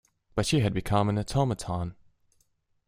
But she had become an automaton.